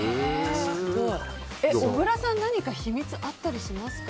小倉さん何か秘密あったりしますか？